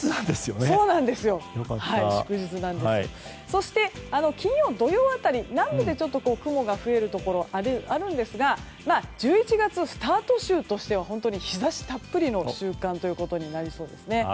そして金曜、土曜辺り南部で雲が増えるところがあるんですが１１月スタート週としては日差したっぷりの週間となりそうですね。